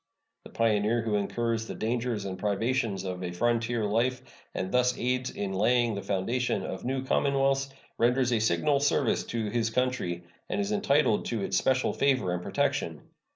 The pioneer who incurs the dangers and privations of a frontier life, and thus aids in laying the foundation of new commonwealths, renders a signal service to his country, and is entitled to its special favor and protection.